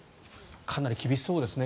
かなり厳しそうですね。